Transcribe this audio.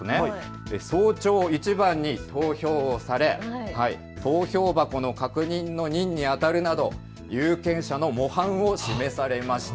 早朝いちばんに投票をされ投票箱の確認の任にあたるなど有権者の模範を示されました。